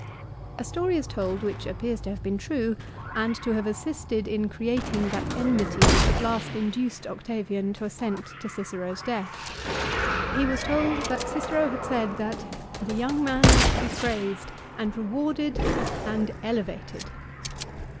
A story is told which appears to have been true, and to have assisted in creating that enmity which at last induced Octavian to assent to Cicero's death. He was told that Cicero had said that " the young man was to be praised, 282 LIFE OF CICERO. and rewarded, and elevated!"